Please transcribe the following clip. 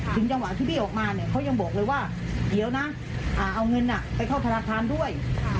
จังหวะที่พี่ออกมาเนี่ยเขายังบอกเลยว่าเดี๋ยวนะเอาเงินไปเข้าธนาคารด้วย